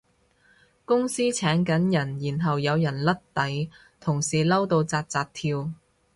公司請緊人然後有人甩底，同事嬲到紮紮跳